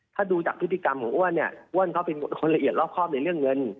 ถ้าดูจากพฤติกรรมของอ้วนเนี่ยอ้วนเขาเป็นคนละเอียดรอบครอบในเรื่องเงิน